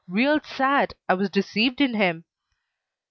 Real sad. I was deceived in him."